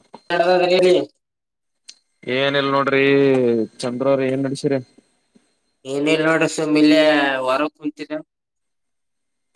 ನ [inaudible] ಏನ ಇಲ್ ನೋಡ್ರಿ ಚಂದ್ರ್ರ ಏನ್ ನಡಸಿರಿ ಏನೇ ನೋಡ ಸುಮ್ಮಿಲ್ಲ ವರ ಕುತರ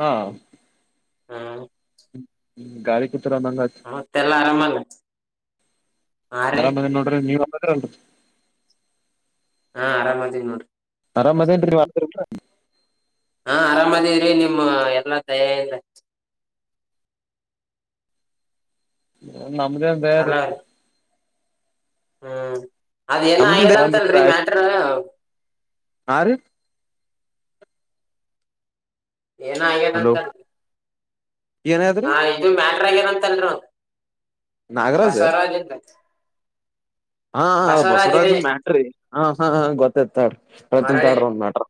ಹಾ ಹಾ ಹ್ಮ ಗಾಳ [inaudible] ಮತ್ತೆಲ್ಲಾ ಆರಾಮಂಗ ಆರಾಮ್ದ ನೋಡ್ರಿ ನೀವ್ ಅಮ್ಮದ್ರ ಅಲ್ [inaudible] ಹಾ ಆರಾಮ್ತೀವಿ್ ನೋಡ್ರಿ ಆರಾಮ್ ಅದೇನ [inaudible] ಮಾಡದಲ್ ಹಾ ಆರಾಮದಿದ್ರರಿ ನಿಮಮ್ಮ ಎಲ್ಲಾ ತಯಿಂದ ನಮ್ದ ಅಲ ಬೇರೆ ಹ್ಮ್ ಅದ್ ಏನ್ ನಮ್ದಿಂದ ಆಗ್ಯದಂತಲ್ರಿ ಮ್ಯಾಟರ್ ಆ ಏನ್ ಆಗ್ಯದಂತ ಅ್ರ ಏನಾದ್ರಿ ಹಾ ಇದು ಮ್ಯಾಟ್ರ ಆಗಿರಂತಲ್ರು ನಾಗರಾಜ್ ಬಸವರ ಅದಿಲ್ಲ ಹಾ ಅದ ರೀ ಬಸವರಾಜನ್ ಮ್ಯಾಟ್ರಿ ಹ ಹಾ ಹ ಗೊತ್ತೇತಾಡ್ರಿ ಪ್ರತನ್ ಮರಳಿ ತಾಡ್ರ ಒ್ ಮ್ಯಾಟ್ರ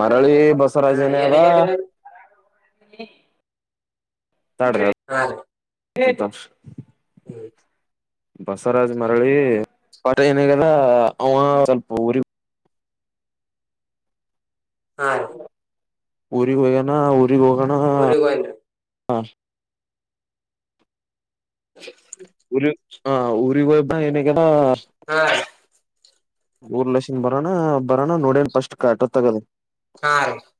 ಮರಳಿ ಹಾ ಬಸವರಾಜೇನ ಅವಾ ಏನಾಗ್ಯದ್ರಿ ಅದ್ ಹ [inaudible] ಹಾ ರ [inaudible] ತ [inaudible] ಹ್ಮ [inaudible] ಬಸವರಾಜ್ ಮರಳಿ ಏನಾಗಲ್ಲ ಅವ ಸ್ವಲ್ಪ ಊರಿ [inaudible] ಹ ಊರಿಗೆ ಹೋಗಣ ಊರಿಗೆ ಹೋಗೋಣ ಹ ಊರಿಗ್ ಹೋಗಿನ್ರಿ ಹ [inaudible] ಉ ಹ ಉರಿಬ [inaudible] ಹಾ [inaudible] ಊರ್ ಲಕ್ಷನ್ ಬರೋಣ ಬರೋಣ ನೋಡೇನ್ ಪಫಸ್ಟ್ ಕಟ ತಗದು ಹಾ ರೀ [inaudible]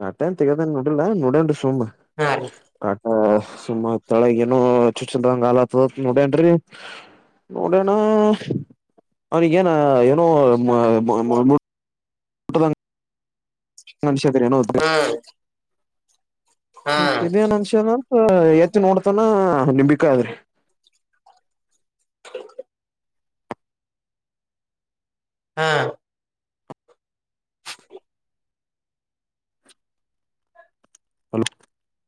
ಕಟನ್ ತೆಗದಂಗ ನೋಡಲ್ಲ ನೋಡನ ಸುಮ ಹಾ ರೀ ಕ [inaudible] ಸುಮ್ಮಾ ತಳಗ ಏನು ಚು ಚದಂಗ ಆಲ್ತದತ್ ನೋಡನ್ರರಿ ನೋಡಣ ಅವನಿಗೇನ ಏನೋ ನಷ ಹಾ ಇದೇನ್ ಅನುಷನ ಹ ಎತ್ತಿ ನೋಡ್ತಾನ ನಿಮ್ ಬಿಕಾದ್ರಿ ಹಾ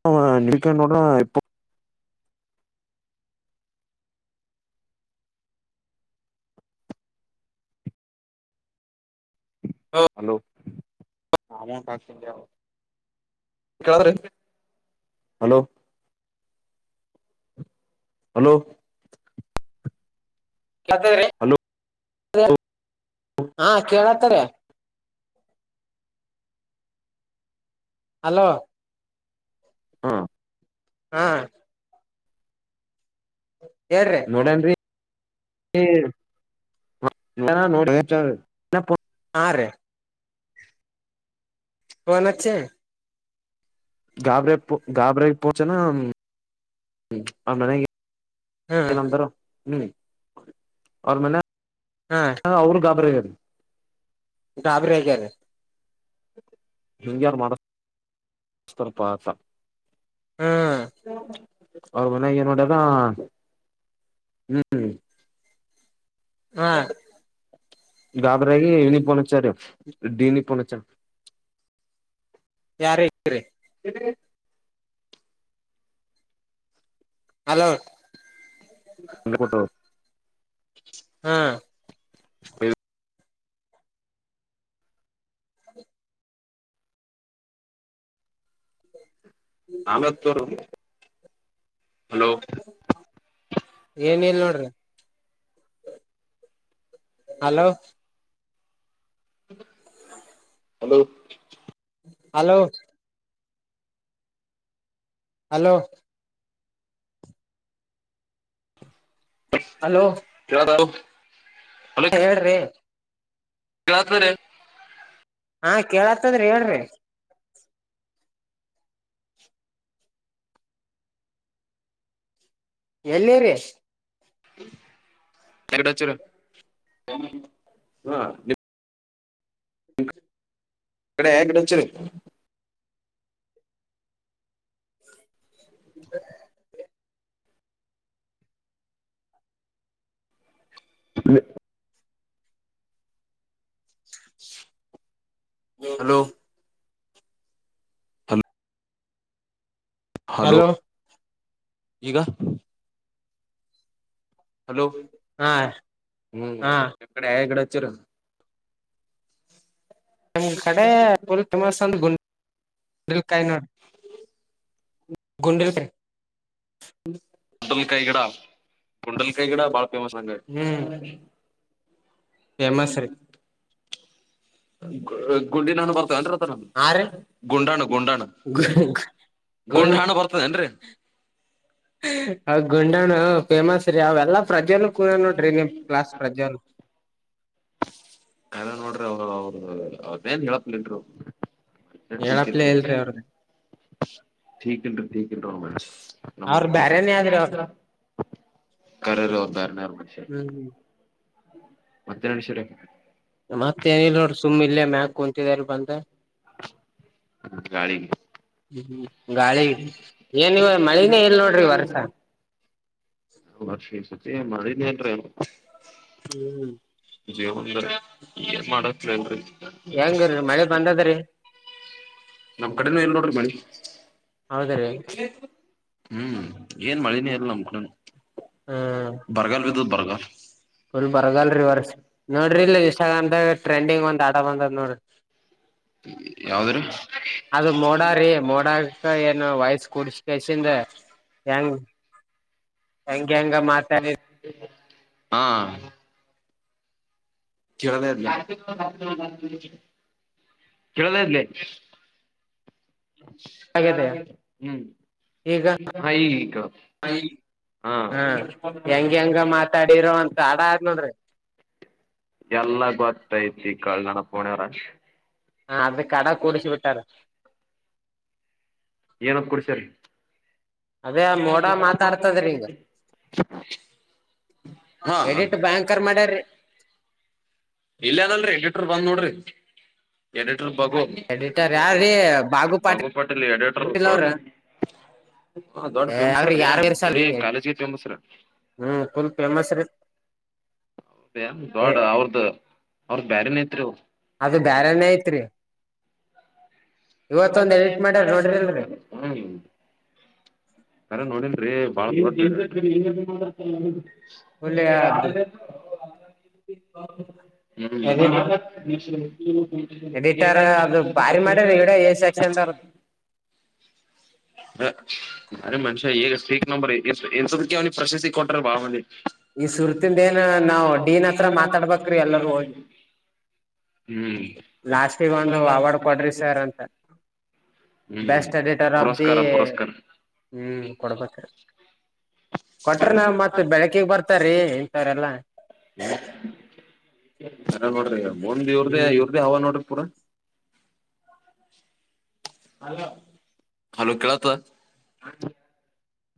ಹಲೋ ನಡಿಕನ್ನೋಡ ಇ ಹಾ ಹಲೋ ಅಮೌಟ್ಾಕ್ಸ ನಮ ಹಲೋ ಹಲೋ ಕೇಳ್ತ ಹಲೋ ಹಾ ಕೇಳತ್ತಾರ ಹಲೋ ಹಾ ಹಾ ಹೇಳ್ರಿ ನೋಡೇನ್ರಿ ನೋಡಿ ಆ ಹನ್ಚ ಗಾಬ್ರೆ ಪ ಗಾಬ್ರ ಪೋಚನ ಆ ಮನೆಗೆ ಹ್ಮ ಈ ನ ಹ್ಮ ಮೆ ಹಾ ಅವರು ಗಾಬರಿದು ಡಾಬರ ಹಗನೆ ಹಿಂಗ್ಯಾರು ಮಾಡತಪತ ಹ ಹ್ಮ್ ಅವ್ರ ಮನೆಾಗ ನೋಡ್ಯಾರ ಹ್ಮ್ ಹ್ಮ ಗಾಾದ್ರಾಗಿ ನಿ ಪೋನಚಾರಿ ಡೀಿನಿ ಪನಚಾರಿ ಯಾರ ಹ್ರ ಹ ಹಲೋ ಹ ಕೊಟ್ಟು ಹ್ಮ ಆಮೇ ತರು ಏನಲ್ಲ ನೋ ಹಲೋ ಹ ಹಲೋ ಹಲೋ ಹಲೋ ಹಲೋ ಕವ ತವು ಹೇಳ್ರಿ ಯತ್ ಬರ ಹಾ ಕೇಳತ್ತಂದ್ರಿ ಹೇಳ್ರಿ ಎಲ್ಲಿ ರೇಶ್ ಎಡೆರ ಹ ಕಡೆ ಹಗಡಚ್ಚರು ಹ ಹ್ಮ ಹಲೋ ಹಲೋ ಹಲೋ ಈಗ ಹಲೋ ಹಾ ಹ್ಮ್ ಹಾ [unintelligible] ಕಡೆ ಆ ಕಡೆ [inaudible] ಉಚ್ಚರ ನಮ್ ಕಡೆ ಫುಲ್ ಫೇಮಸ್ [unintelligible] ಅಂದ್ರೆ [unintelligible] ಗುಂಡಲ್ಕಾಯಿ ನೋಡಿ ಗುಂಡುಲ್ಕೈ ಗಂಡಲ್ಕೈಗಿಡ ಗಂಡಲ್ಕೈಗಿಡ ಬಾಳ ಫೇಮಸ್ ಅಂಗೆ ಹ್ಮ್ ಫೇಮಸ್ ರೀ ಗುಂಡಿನಾನು ಬರ್ತಾವೇಂರಿ ಹಾ [unintelligible] ರೀ ಅನ್ ಅದ ನಾನು ಗುಂಡಾಣು ಗುಂಡಾಣು ಗುಂಡ ಗುಣಡಾಣ ಬರ್ತದೇನ್ರರಿ ಅ ಗುಂಡಾಣ ಫೇಮಸ್ ರೀ ಅವೆಲ್ಲಾ ಪ್ರಜೆಲ್ಲ [unintelligible] ಕೂಡ ನೋಡ್ರಿ ನಿಮ್ ಕ್ಲಾಸ್ ಪ್ರಜೆಲ್ ಕಲ್ಲ ನೋಡ್ರಿ ಅವ ಅವ ಅವದೇನ್ [unintelligible] ಹೇಳತ್ಲಲ್ ಅವ ಹೇಳಪ್ಲೇ ಕ ಇಲ್ರಿ ಅವ್ರದ [unintelligible] ಅವ್ರ ಬ್ಯರೆನೀ ಅಧ್ರಿ ಅವ್ರ [unintelligible] ಕರರು ಒದಾಾರನ ಆರ ಮನುಷ್ಯ ಹ್ಮ್ ಮತ್ತೆ ಮನುಷ್ಯರ ಕುಂತಿದಾರಿ ಬಂದ ಹ್ಮ ಗಾಳಿಗೆ ಹ್ಮ್ ಗಾಳಿ ಏನವ ಮಳಿನೇ ಎಲ್ ನೋಡ್ರಿ ಈ ವರ್ಷ ವರ್ಷ ಈ ಸತಿ ಮಳಿನೇ [unintelligible] ಏನ್ರೇ ನು ಹ್ಮ್ [unintelligible] ಜೀವನ್ಂದ ಏನ್ [unintelligible] ಮಾಡಕ್ ಅಲ್ರರಿ ಹೆಂಗರಿ ಮಳೆ ಬಂದದ್ರಿ ನಮ್ ಕಡೆನು ಇಲ್ ನೋಡ್ರಿ ಮಳಿ ಹೌದ್ರಿ ಹ್ಮ್ ಏನ್ ಮಳನೇ ಇಲ್ಲ ನಮ ಕಡೆನು ಹ್ಮ [inaudible] ಬರ್ಗ ಫುಲ್ ಬರಗಲ್ರಿ ಈ ವರ್ಷ ನೋಡ್ರಿ ಇಲ್ಲ ಇನ್ಸ್ಟಾಗ್ರಾ ದಾಗ ಟ್ರೆಂಡಿಂಗ್ ಒಂದ್ ಆಡ ಬಂದದ್ ನೋಡ್ರಿ ಯಾವದ್ರೀ ಅದು ಮೋಡಾರಿ ಮೋಡಕ ಏನು ವಾಯ್ಸ್ ಕೊಡಿಸಿ ಕಸಿ [unintelligible] ಹೆಂಗ ಹೆಂಗ ಮಾತಾಡಿದೆ ಹಾ [unintelligible] ಚರದೇ [unintelligible] ಕೇಳದ ಇದೆ ಹ್ಮ್ ಈಗ [unintelligible] ಹಗ ಹಾ ಹೆಂಗ ಹೆಂಗೊ ಮಾತಾಡಿರೋ [unintelligible] ಅಂತ ಆಡ ಆದ್ ನೋಡ್ರಿ ಎಲ್ಲ ಗೊತ್ತೈತಿ [unintelligible] ಕಳಣ ಪೋಣಾರ ಹ ಆದ್ರೆ ಕಡ ಕೂಡಿಸಿು ಬಿಟ್ಟಾರೆ ಏನ [unintelligible] ಪ್ಪ ಕುಡ್ಸ್ರ ಅದೇ ಆ ಮೋಡ ಮಾತಾಡ್ತದ್ರಿ ಹಿಂಗ ಹಾ ಎಡಿಟ್ ಬ್ಯಾಂಕರ್ ಮಾಡ್ಯ್ರಿ ಇಲ್ಲ ಅದಲ್ರರಿ ಎಡಿಟ್ರ ಬಂದ್ ನೋಡ್ರಿ [unintelligible] ಬಗು ಎಡಿಟರ್ ಯಾರ್ರೀ ಬಾಗು ಪಾಟೀಲ್ ಬಾಬುಪಾಟಲ್ಲಿ ಎಡಿಟರ್ ಅವ್ರ ಹ ದೊಡ್ ಅವ್ರಿಗೆ ಫೇಮಸರೀ ಯಾರು ಇಡೀ ಇರ್ಸಲ್ರಿ ಕಾಲೇಜ್ಗೆ ಫೇಮಸ್ ಹ್ಮ್ ಫುಲ್ ಫೇಮಸ್ ರೀ ದಾಡ್ ಅವ್ರ್ದ ಅವ್ರದ ಬ್ಯರೆನೈತ್ರಿ ಅದ ಬೇರೆನೇ ಐತ್ರಿ [unintelligible] ಇವ ಇವತ್ತೊಂದ್ ಎಡಿಟ್ ಮಾಡ್ಯಾರ ಮಾಡ ನೋಡ್ರಿಲ್ರಿ ಯಾರು ನೋಡಿಲ್ರಿ ಬಾಳ ಫುಲ್ [unintelligible] [inaudible] [inaudible] ಎಡಿಟರ್ ಅದು ಬಾರಿ ಮಾಡ ಇಡೆ ಸಕ್ಷನ್ ಅ್ರ ಮನುಷ್ಯ ಈಗ ಸ್ರೀಕ್ ನಂಬರ್ ಎನ್ಕ್ಕೆ ಅವ್ನಿಗೆ ಪ್ರಶ್ತಿ ಸಿ ಕೊಟ್ಟ್ರ ಬಾ ಮಂದಿ ಈ ಸುರ್ತಿಂದ ಏನ್ ನಾವ್ ಡೀನ್ ಹತ್ರ ಮಾತಾಡ್ಬೇಕ್ರಿ ಎಲ್ಲರ ಹೋಗಿ ಹ್ಮ್ ಲಾಸ್ಟ್ಗ ಒಂದು ಅವಾರ್ಡ್ ಕೊಡ್ರಿ ಸರ್ ಅಂತ [inaudible] ಬೆಸ್ ಎಡಿಟರ್ ಅಫ್ದ ಪುರಸ್ಕಾರ ಪುರಸ್ಕಾರ ಹ್ಮ್ ಕೊಡಪತ್ತ ಕೊಟ್ರ ನಾವ ಮತ್ತ್ ಬೆಳಕಗ್ ಬರ್ತಾರೀ ಇಥ್ರಲ್ಲಾ ಹ್ಮ ಅ ನೋಡ್ರಿ ಮುಂದ ಇವ್ರ್ದೇ ಹ್ಮ್ ಇವ್ರ್ದೇ ಹವ ನೋಡ್ರಿ ಪೂರ [inaudible] ಹಲೋ ಕೇಳತ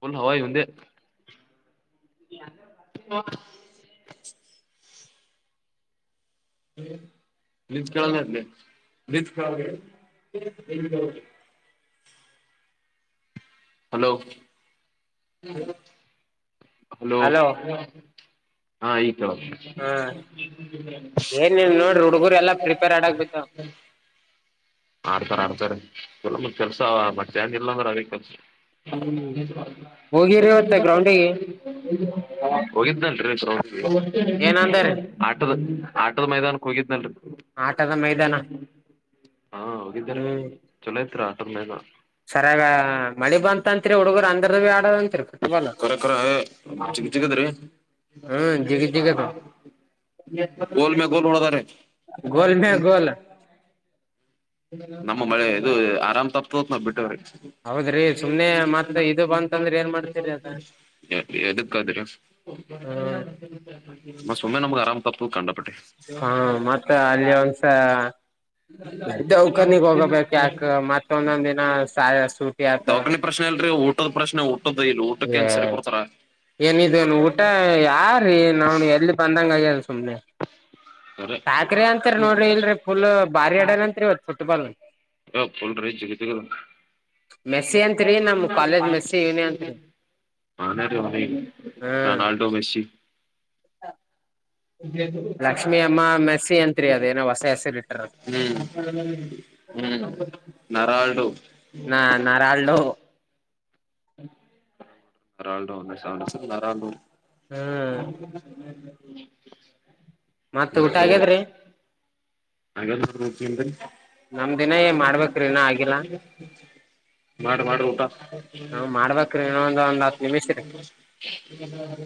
ಬಲ ಹವ ಈ ಮುಂದೆ ಹ ಹ್ಮ ಲಜ ಕ ಅೇ ಕ ಹಲೋ ಹಲೋ ಹಾ ಈ ಹ ಹಾ ಏನ್ ನೀನ್ ನೋಡ್ರಿ ಹುಡುಗರು ಎಲ್ಲಾ ಪ್ರಿಪೇರ್ ಆಡಕ್ ಬಿದ್ದಾವ ಆಡ್ತಾರ ಆಡ್ತಾರೆ ಇಲ್ಲ ಮತ್ ಕೆಲ್ಸ ಮತ್ತೆ ಏಂಗ ಇಿಲ್ಲ ಅಂದ್ರ ಅದೇ ಕೆಲ್ಸ ಹ್ಮ್ ಎ ಹೋಗಿರಿ ಇವತ್ತ ಗ್ರೌಂಡಿಗೆ ಹೋಗಿದ್ದನ್ರಿ ಏನಂದಾರಿ ಆಟದ ಆಟದ ಮೈದಾನಕ್ಕೆ ಹೋಗಿದ್ನಲ್ರಿ ಆಟದ ಮೈದಾನ ಹಾ ಹೋಗಿದ್ದಿದ್ದಾರೆ ಚಲೋ ತ್ರರ ಆ ಮೇನ ಸರಿಾಗ ಮಳಿ ಬಂತತ್ರಿ ಹುಡುಗರು ಅಂದ್ರ ಆಡ ಕಖರ ಕರ ಚಗತಿಗದ್ರೀ ಹ್ಮ್ ಜಿಗ ಜಿಗದ ಗೋಲ್ ಮೆ ಗೋಲ್ ನೋಡದಾರೆ ಗೋಲ್ ಮ್ಯ ಗೋಲ್ ನಮ್ಮ ಮಳೆ ಇದು ಆರಾಮ್ ತಪ್ತ ನಾವ ಬಿಟ್ಟಿ ಹೌದ್ರ ಮಾಡ್ತೀರಿ ಅದ ಕ್ಕಾದ ಹ್ಮ್ ಮ ಸುಮ್ಮನೆ ನಮಗೆ ಆರಾಮ ಕಪ್ಪ ಕಂಡಪಟ್ಟೆ ಹಾ ಮತ್ತ ಅಲ್ಲಿ ಒಂದಸ ಅಕ್ಕನಗ್ ಹೋಗಬೇಕ ಯಾಕ ಮತ್ತೊಂದೊಂದ್ ದಿನ ಸೂಟಿ ಆತ ಡಾಕನಿ ಪ್ರಶ್ನೆ ಅಲ್ರರಿ ಊಟದ ಪ್ರಶ್ನೆ ಊಟದ ಇಲ್ ಊಟಕ್ಕೆ ಏನ್ ಸರಿ ಕೊಡ್ತಾರ ಏನಿದ ಊಟ ಯಾರೀ ನಾ್ ಎಲ್ಲಿ ಬಂದಂಗಗ್ಯಲ್ ಸುಮ್ನೆ ಸಕ್ರಿ ಅಂತತ್ರಿ ನೋಡ್ರಿ ಇಲ್ರರಿ ಫುಲ್ ಬಾರಿ ಆಡನ್ಂತ್ರಿ ಇವತ್ ಫುಟ್ಬಾಲ್ ಹ ಪಲ್್ರೀ ಚಗಗ ಮೆಸ್ಸಿ ಅಂತ್ರಿ ನಮ್ ಕಾಲೇಜ್ ಮೆಸ್ಸಿ ಇವನಿ ಅಂತ್ರಿ ಆಾನ ರೋನಿ ರೊನಾಾಲ್ಡೊ ಮೆಸಿ ಹ ಹ [inaudible] ಹ್ಮ್ ಮೆಸ್ಸಿ ಅಂತ್ರಿ ಅದೇನೋ ಹೊಸ ಹೆಸರಿ ಇಟ್ಟಾರ ನೆರಾಲ್ಡೋ ನಾ ನಾರಾಲ್ಡೋ ಅರಲ್ಡೋ ಅರಾಡೋ. ಹ್ಮ್ [unintelligible] ಮತ್ತ ಊಟ ಆಗದ್ರಿ ಹಾಗ ಚಂತ ನಮ್ ದಿನ ಏ ಮಾಡ್ಬೇಕ್ರಿ ಇನ್ನ ಆಗಿಲ್ಲ ಮಾಡಿ ಮಾಡ್ರಿ ಊಟ ನಾವ್ ಮಾಡ್ಬೇಕ್ರಿ ಇನ್ನೊಂದ್ ಒಂದ್ ಹತ್ ನಿಮಿಷ ರೀ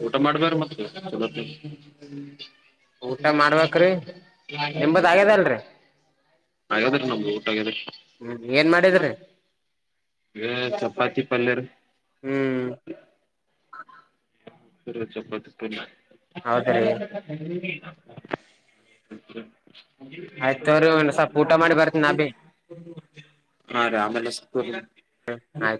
ಊಟ ಮಾಡ್ಬಾರು ಮತ್ತೆ. [unintelligible] ಹಾಗದಲ್ರಿ ಹಾಗಗ್ಯಾದ್ರೀ ನಮ್ದು ಊಟ ಆಗ್ಯದ್ರ ಹ್ಮ್ ಏನ್ ಮಾಡಿದ್ರಿ ಹಏ ಚಪಾತಿ ಪಲ್ಲರು ಹ್ಮ್ ಸಪ್ಪದುನ್ನ ಹ. [inaudible] ಹೌದ್ರಿ ಆಯ್ತ್ ತೋರಿ ಒಂದ್ ಸ್ವಲ್ಪ ಊಟ ಮಾಡಿ ಬರ್ತೀನಿ ನಾ ಬಿ ಹಾ ರಾಮಲಸ್ಪುರ್ ಆಯ್ತ್